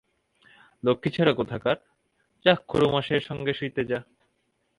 লক্ষ্মীছাড়া কোথাকার, যা খুড়োমশায়ের সঙ্গে শুইতে যা।